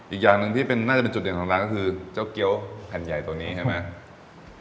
อีกอย่างหนึ่งที่น่าจะเป็นจุดเด่นของร้านก็คือเจ้าเกี้ยวแผ่นใหญ่ตัวนี้ใช่ไหม